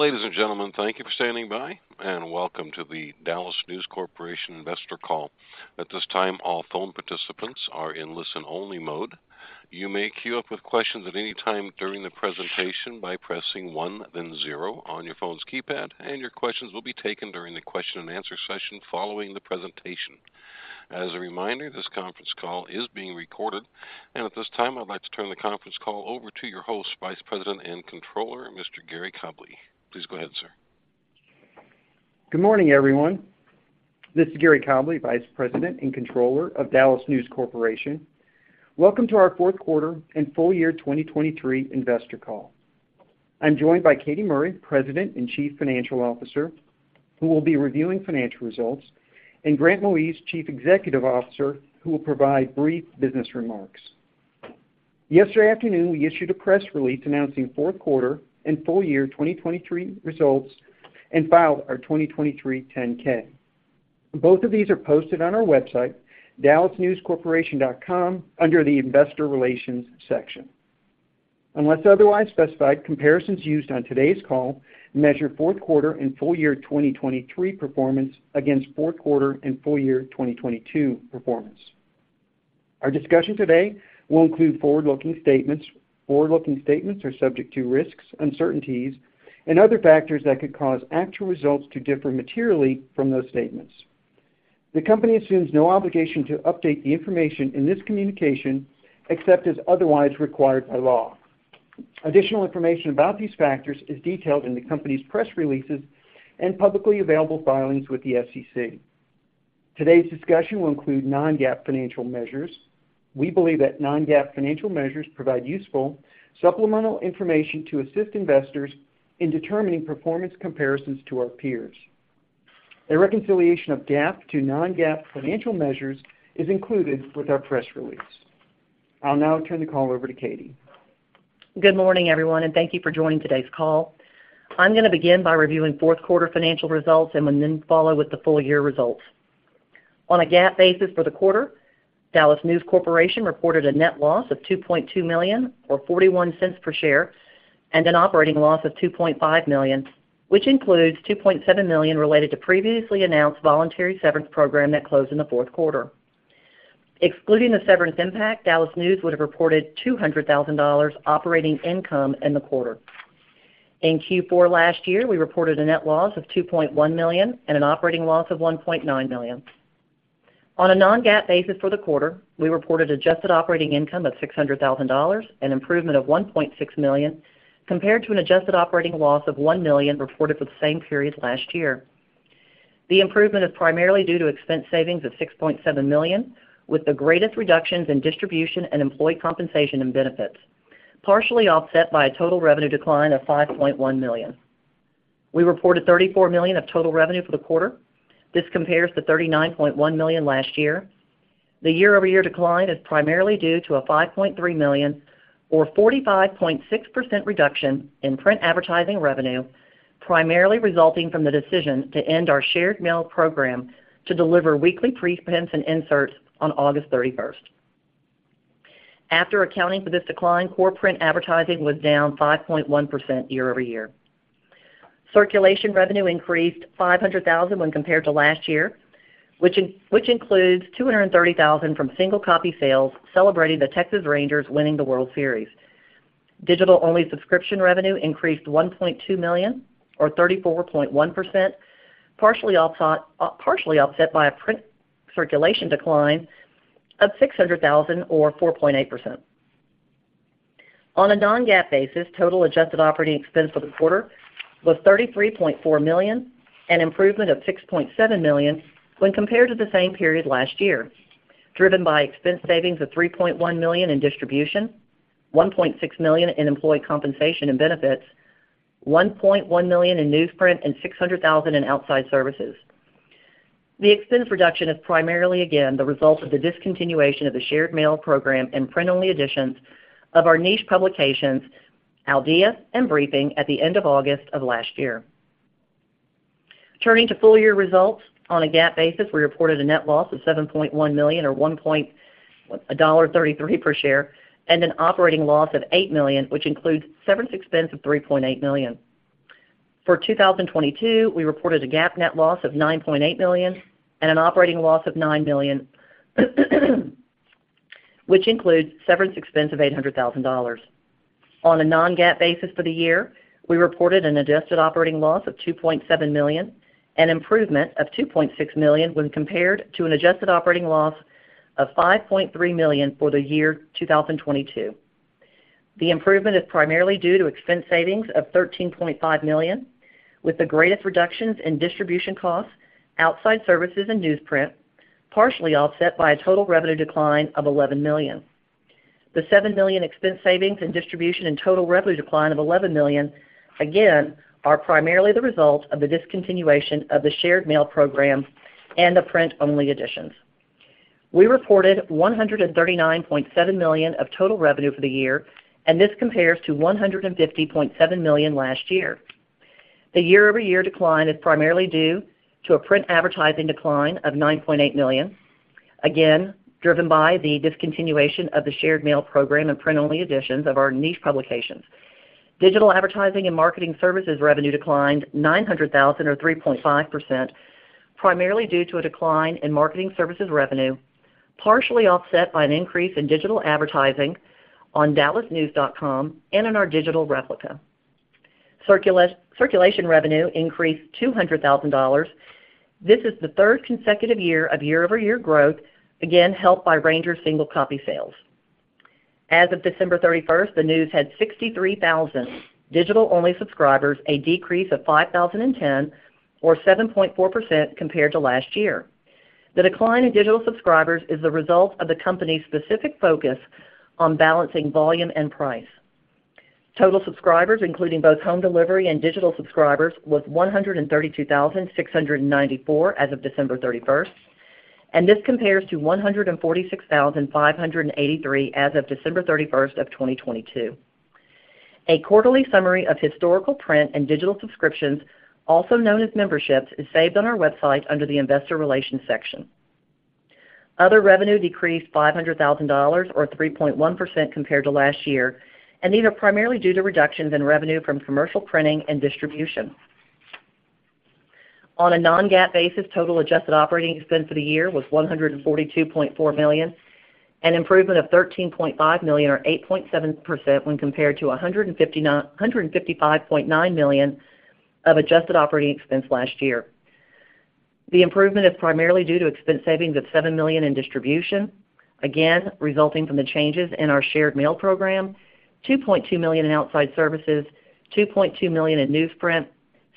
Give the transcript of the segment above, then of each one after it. Ladies and gentlemen, thank you for standing by, and welcome to the DallasNews Corporation investor call. At this time, all phone participants are in listen-only mode. You may queue up with questions at any time during the presentation by pressing one then zero on your phone's keypad, and your questions will be taken during the question-and-answer session following the presentation. As a reminder, this conference call is being recorded, and at this time I'd like to turn the conference call over to your host, Vice President and Controller, Mr. Gary Cobleigh. Please go ahead, sir. Good morning, everyone. This is Gary Cobleigh, Vice President and Controller of DallasNews Corporation. Welcome to our fourth quarter and full year 2023 investor call. I'm joined by Katy Murray, President and Chief Financial Officer, who will be reviewing financial results, and Grant Moise, Chief Executive Officer, who will provide brief business remarks. Yesterday afternoon we issued a press release announcing fourth quarter and full year 2023 results and filed our 2023 10-K. Both of these are posted on our website, dallasnewscorporation.com, under the Investor Relations section. Unless otherwise specified, comparisons used on today's call measure fourth quarter and full year 2023 performance against fourth quarter and full year 2022 performance. Our discussion today will include forward-looking statements. Forward-looking statements are subject to risks, uncertainties, and other factors that could cause actual results to differ materially from those statements. The company assumes no obligation to update the information in this communication except as otherwise required by law. Additional information about these factors is detailed in the company's press releases and publicly available filings with the SEC. Today's discussion will include non-GAAP financial measures. We believe that non-GAAP financial measures provide useful supplemental information to assist investors in determining performance comparisons to our peers. A reconciliation of GAAP to non-GAAP financial measures is included with our press release. I'll now turn the call over to Katy. Good morning, everyone, and thank you for joining today's call. I'm going to begin by reviewing fourth-quarter financial results and will then follow with the full-year results. On a GAAP basis for the quarter, DallasNews Corporation reported a net loss of $2.2 million or $0.41 per share and an operating loss of $2.5 million, which includes $2.7 million related to previously announced voluntary severance program that closed in the fourth quarter. Excluding the severance impact, DallasNews would have reported $200,000 operating income in the quarter. In Q4 last year, we reported a net loss of $2.1 million and an operating loss of $1.9 million. On a non-GAAP basis for the quarter, we reported adjusted operating income of $600,000 and improvement of $1.6 million compared to an adjusted operating loss of $1 million reported for the same period last year. The improvement is primarily due to expense savings of $6.7 million with the greatest reductions in distribution and employee compensation and benefits, partially offset by a total revenue decline of $5.1 million. We reported $34 million of total revenue for the quarter. This compares to $39.1 million last year. The year-over-year decline is primarily due to a $5.3 million or 45.6% reduction in print advertising revenue, primarily resulting from the decision to end our shared mail program to deliver weekly preprints and inserts on August 31st. After accounting for this decline, core print advertising was down 5.1% year-over-year. Circulation revenue increased $500,000 when compared to last year, which includes $230,000 from single-copy sales celebrating the Texas Rangers winning the World Series. Digital-only subscription revenue increased $1.2 million or 34.1%, partially offset by a print circulation decline of $600,000 or 4.8%. On a non-GAAP basis, total adjusted operating expense for the quarter was $33.4 million and improvement of $6.7 million when compared to the same period last year, driven by expense savings of $3.1 million in distribution, $1.6 million in employee compensation and benefits, $1.1 million in newsprint, and $600,000 in outside services. The expense reduction is primarily, again, the result of the discontinuation of the shared mail program and print-only editions of our niche publications, Al Día and Briefing, at the end of August of last year. Turning to full-year results, on a GAAP basis, we reported a net loss of $7.1 million or $1.33 per share and an operating loss of $8 million, which includes severance expense of $3.8 million. For 2022, we reported a GAAP net loss of $9.8 million and an operating loss of $9 million, which includes severance expense of $800,000. On a non-GAAP basis for the year, we reported an adjusted operating loss of $2.7 million and improvement of $2.6 million when compared to an adjusted operating loss of $5.3 million for the year 2022. The improvement is primarily due to expense savings of $13.5 million, with the greatest reductions in distribution costs, outside services, and newsprint, partially offset by a total revenue decline of $11 million. The $7 million expense savings and distribution and total revenue decline of $11 million, again, are primarily the result of the discontinuation of the shared mail program and the print-only editions. We reported $139.7 million of total revenue for the year, and this compares to $150.7 million last year. The year-over-year decline is primarily due to a print advertising decline of $9.8 million, again, driven by the discontinuation of the shared mail program and print-only editions of our niche publications. Digital advertising and marketing services revenue declined $900,000 or 3.5%, primarily due to a decline in marketing services revenue, partially offset by an increase in digital advertising on dallasnews.com and in our digital replica. Circulation revenue increased $200,000. This is the third consecutive year of year-over-year growth, again, helped by Rangers single copy sales. As of December 31st, the News had 63,000 digital-only subscribers, a decrease of 5,010 or 7.4% compared to last year. The decline in digital subscribers is the result of the company's specific focus on balancing volume and price. Total subscribers, including both home delivery and digital subscribers, was 132,694 as of December 31st, and this compares to 146,583 as of December 31st of 2022. A quarterly summary of historical print and digital subscriptions, also known as memberships, is saved on our website under the Investor Relations section. Other revenue decreased $500,000 or 3.1% compared to last year, and these are primarily due to reductions in revenue from commercial printing and distribution. On a Non-GAAP basis, total adjusted operating expense for the year was $142.4 million and improvement of $13.5 million or 8.7% when compared to $155.9 million of adjusted operating expense last year. The improvement is primarily due to expense savings of $7 million in distribution, again, resulting from the changes in our shared mail program, $2.2 million in outside services, $2.2 million in newsprint,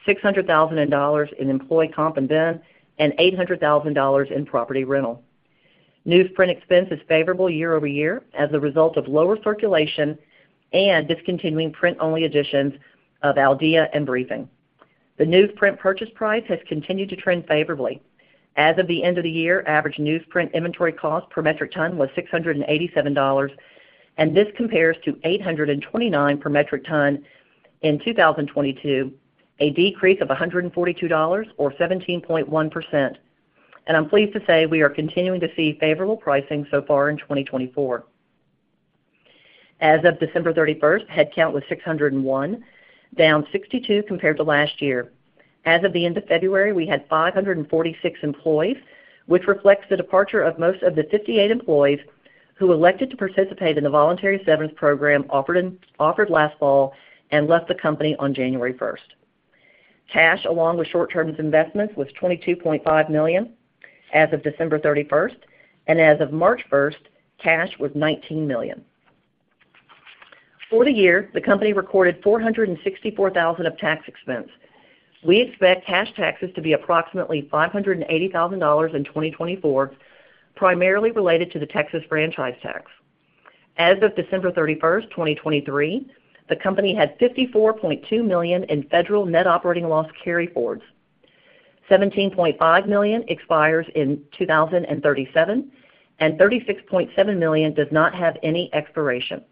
$600,000 in employee comp and ben, and $800,000 in property rental. Newsprint expense is favorable year-over-year as a result of lower circulation and discontinuing print-only editions of Al Día and Briefing. The newsprint purchase price has continued to trend favorably. As of the end of the year, average newsprint inventory cost per metric ton was $687, and this compares to $829 per metric ton in 2022, a decrease of $142 or 17.1%. I'm pleased to say we are continuing to see favorable pricing so far in 2024. As of December 31st, headcount was 601, down 62 compared to last year. As of the end of February, we had 546 employees, which reflects the departure of most of the 58 employees who elected to participate in the voluntary severance program offered last fall and left the company on January 1st. Cash, along with short-term investments, was $22.5 million as of December 31st, and as of March 1st, cash was $19 million. For the year, the company recorded $464,000 of tax expense. We expect cash taxes to be approximately $580,000 in 2024, primarily related to the Texas franchise tax. As of December 31st, 2023, the company had $54.2 million in federal net operating loss carry forwards. $17.5 million expires in 2037, and $36.7 million does not have any expiration.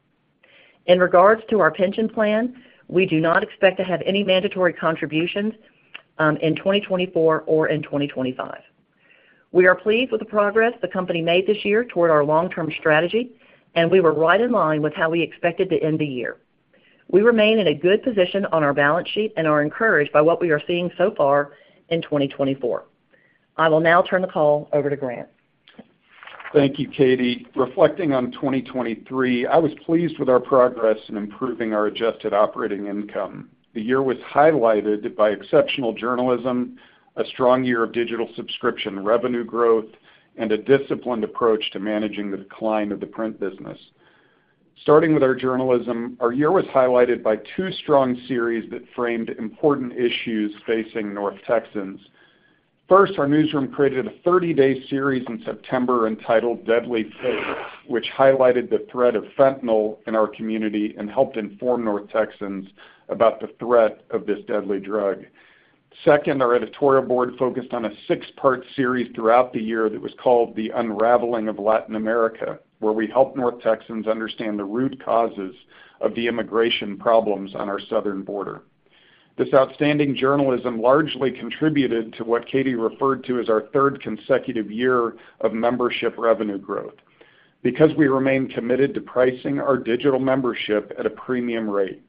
In regards to our pension plan, we do not expect to have any mandatory contributions in 2024 or in 2025. We are pleased with the progress the company made this year toward our long-term strategy, and we were right in line with how we expected to end the year. We remain in a good position on our balance sheet and are encouraged by what we are seeing so far in 2024. I will now turn the call over to Grant. Thank you, Katy. Reflecting on 2023, I was pleased with our progress in improving our adjusted operating income. The year was highlighted by exceptional journalism, a strong year of digital subscription revenue growth, and a disciplined approach to managing the decline of the print business. Starting with our journalism, our year was highlighted by two strong series that framed important issues facing North Texans. First, our newsroom created a 30-day series in September entitled Deadly Fake, which highlighted the threat of fentanyl in our community and helped inform North Texans about the threat of this deadly drug. Second, our editorial board focused on a six-part series throughout the year that was called The Unraveling of Latin America, where we helped North Texans understand the root causes of the immigration problems on our southern border. This outstanding journalism largely contributed to what Katy referred to as our third consecutive year of membership revenue growth because we remain committed to pricing our digital membership at a premium rate.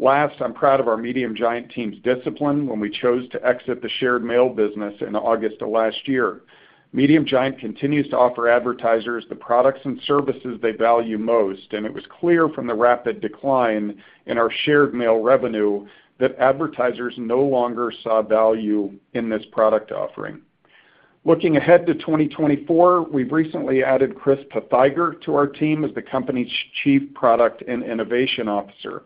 Last, I'm proud of our Medium Giant team's discipline when we chose to exit the shared mail business in August of last year. Medium Giant continues to offer advertisers the products and services they value most, and it was clear from the rapid decline in our shared mail revenue that advertisers no longer saw value in this product offering. Looking ahead to 2024, we've recently added Chris Patheiger to our team as the company's Chief Product and Innovation Officer.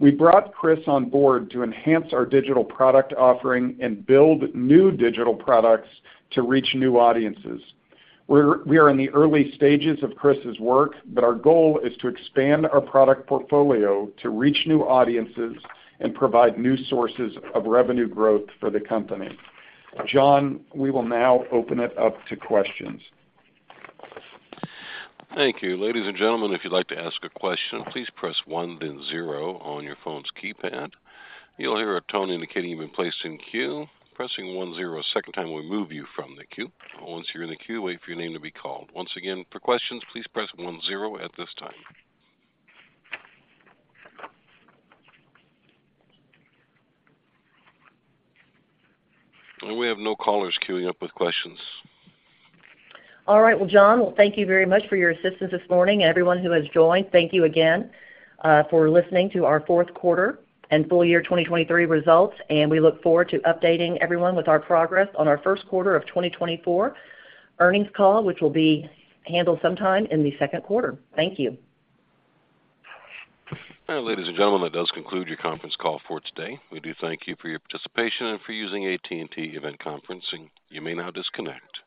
We brought Chris on board to enhance our digital product offering and build new digital products to reach new audiences. We are in the early stages of Chris's work, but our goal is to expand our product portfolio to reach new audiences and provide new sources of revenue growth for the company. John, we will now open it up to questions. Thank you. Ladies and gentlemen, if you'd like to ask a question, please press one, then zero on your phone's keypad. You'll hear a tone indicating you've been placed in queue. Pressing one zero a second time will move you from the queue. Once you're in the queue, wait for your name to be called. Once again, for questions, please press one zero at this time. We have no callers queuing up with questions. All right. Well, John, well, thank you very much for your assistance this morning. Everyone who has joined, thank you again for listening to our fourth quarter and full year 2023 results, and we look forward to updating everyone with our progress on our first quarter of 2024 earnings call, which will be handled sometime in the second quarter. Thank you. All right. Ladies and gentlemen, that does conclude your conference call for today. We do thank you for your participation and for using AT&T Event Conferencing. You may now disconnect.